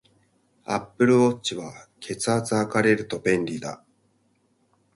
アップルウォッチは、血圧測れると便利だ